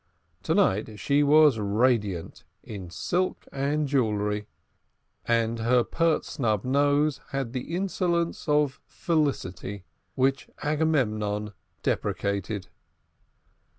To night she was radiant in silk and jewelry, and her pert snub nose had the insolence of felicity which Agamemnon deprecated.